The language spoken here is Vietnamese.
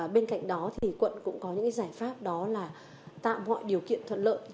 bên cạnh đó thì quận cũng có những giải pháp đó là tạo mọi điều kiện thuận lợi